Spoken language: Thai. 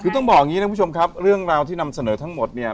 คือต้องบอกอย่างนี้นะคุณผู้ชมครับเรื่องราวที่นำเสนอทั้งหมดเนี่ย